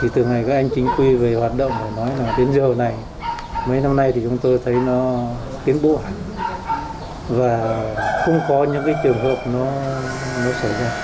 từ ngày các anh chính quy về hoạt động nói đến giờ này mấy năm nay chúng tôi thấy nó tiến bố hẳn và không có những trường hợp nó xảy ra